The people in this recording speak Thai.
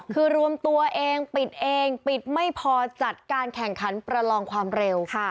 คือรวมตัวเองปิดเองปิดไม่พอจัดการแข่งขันประลองความเร็ว